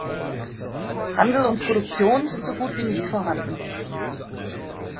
Handel und Produktion sind so gut wie nicht vorhanden.